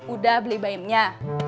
udah beli bayamnya